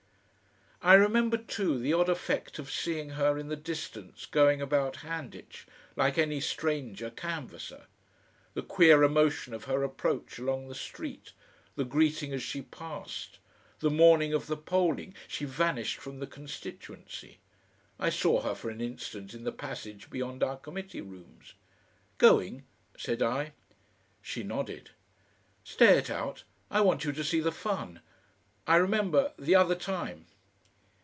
I remember, too, the odd effect of seeing her in the distance going about Handitch, like any stranger canvasser; the queer emotion of her approach along the street, the greeting as she passed. The morning of the polling she vanished from the constituency. I saw her for an instant in the passage behind our Committee rooms. "Going?" said I. She nodded. "Stay it out. I want you to see the fun. I remember the other time."